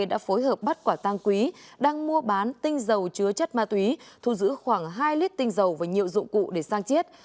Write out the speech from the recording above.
đã phối hợp bắt quả tăng quý đang mua bán tinh dầu chứa chất ma túy thu giữ khoảng hai lít tinh dầu và nhiều dụng cụ để sang chiết